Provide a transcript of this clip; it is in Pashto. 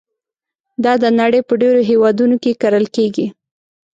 دا د نړۍ په ډېرو هېوادونو کې کرل کېږي.